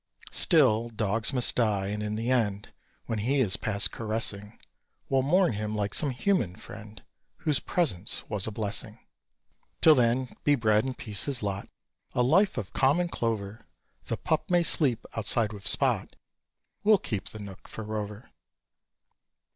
Still, dogs must die; and in the end, When he is past caressing, We'll mourn him like some human friend Whose presence was a blessing. Till then, be bread and peace his lot A life of calm and clover! The pup may sleep outside with Spot We'll keep the nook for Rover.